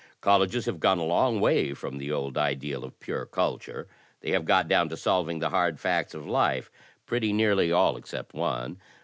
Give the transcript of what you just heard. Colleges have gone a long way from the old ideal of pure culture. They have got down to solving the hard facts of life — ^pretty nearly all except one.